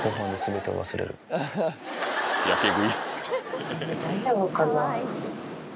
やけ食い。